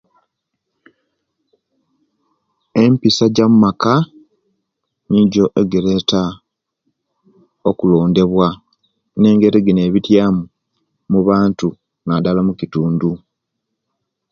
Empisa jomaka nijo ejireta okulondewa ne engeri ejinebityamu omubantu nadala omukitundu